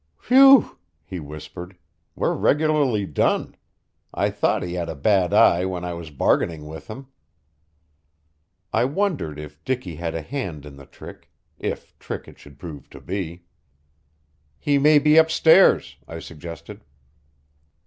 "Whew!" he whispered, "we're regularly done. I thought he had a bad eye when I was bargaining with him." I wondered if Dicky had a hand in the trick, if trick it should prove to be. "He may be up stairs," I suggested.